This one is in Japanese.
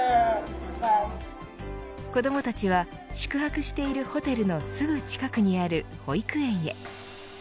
子どもたちは宿泊しているホテルのすぐ近くにある保育園へ。